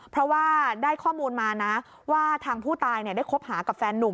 เพราะว่าได้ข้อมูลมานะว่าทางผู้ตายได้คบหากับแฟนนุ่ม